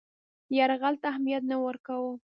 یرغل ته اهمیت نه ورکاوه.